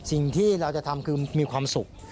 สิ่งที่เราจะทำคือมีความสุข